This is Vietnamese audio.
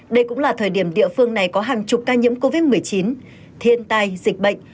đây cũng là thời điểm địa phương này có hàng chục ca nhiễm covid một mươi chín thiên tai dịch bệnh